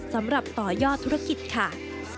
สำหรับต่อยอดธุรกิจค่ะ